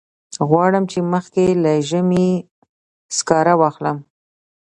غواړم چې مخکې له ژمي سکاره واخلم.